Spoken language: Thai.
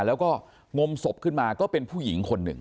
แล้วก็งมศพขึ้นมาก็เป็นผู้หญิงคนหนึ่ง